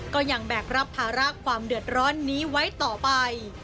แบกรับภาระความเดือดร้อนนี้ไว้ต่อไป